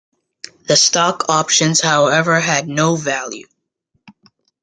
The stock options however had no value.